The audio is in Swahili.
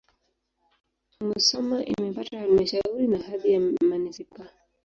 Musoma imepata halmashauri na hadhi ya manisipaa.